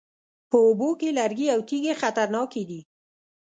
په اوبو کې لرګي او تیږې خطرناکې دي